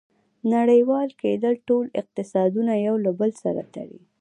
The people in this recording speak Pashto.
• نړیوال کېدل ټول اقتصادونه یو له بل سره تړي.